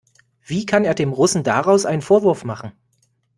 Wie kann er dem Russen daraus einen Vorwurf machen?